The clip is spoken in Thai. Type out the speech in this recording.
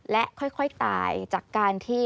และค่อยตายจากการที่